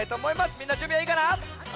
みんなじゅんびはいいかな？